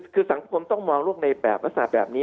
คือสังคมต้องมองลูกในแบบภาษาแบบนี้